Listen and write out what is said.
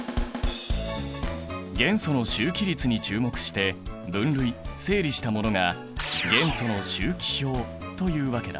元素の周期律に注目して分類整理したものが元素の周期表というわけだ。